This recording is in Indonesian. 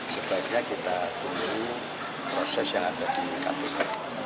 sebaiknya kita tunggu proses yang ada di kantor